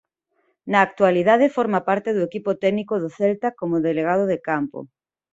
Na actualidade forma parte do equipo técnico do Celta como Delegado de campo.